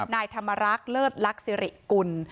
นายทำรรักเลิศรักดิ์สิริกุล